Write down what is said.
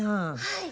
はい。